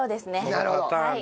なるほど。